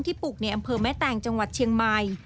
ปลูกในอำเภอแม่แตงจังหวัดเชียงใหม่